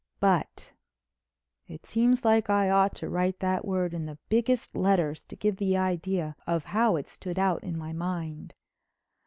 But—it seems like I ought to write that word in the biggest letters to give the idea of how it stood out in my mind.